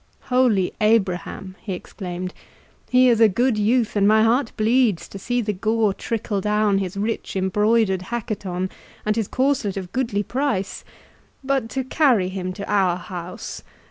"Holy Abraham!" he exclaimed, "he is a good youth, and my heart bleeds to see the gore trickle down his rich embroidered hacqueton, and his corslet of goodly price—but to carry him to our house!